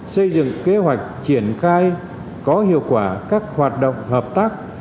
xây dựng kế hoạch triển khai có hiệu quả các hoạt động hợp tác